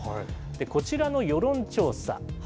こちらの世論調査。